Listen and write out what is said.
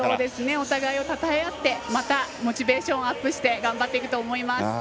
お互いをたたえ合ってまたモチベーションをアップして頑張っていくと思います。